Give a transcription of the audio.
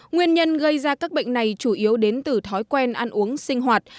nguyên nhân gây ra các bệnh này chủ yếu đến từ thói quen ăn uống sinh hoạt